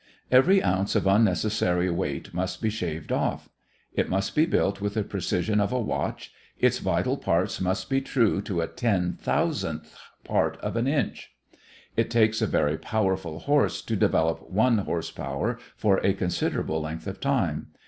Every ounce of unnecessary weight must be shaved off. It must be built with the precision of a watch; its vital parts must be true to a ten thousandth part of an inch. It takes a very powerful horse to develop one horse power for a considerable length of time.